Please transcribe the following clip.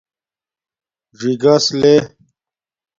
ژی گس لے